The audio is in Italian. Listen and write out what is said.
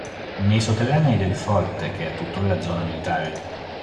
Nei sotterranei del forte, che è tuttora zona militare.